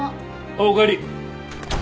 おかえり。